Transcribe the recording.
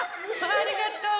ありがとう。